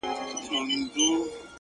ستا خو د سونډو د خندا خبر په لپه كي وي ـ